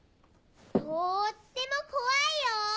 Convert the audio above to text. とっても怖いよ！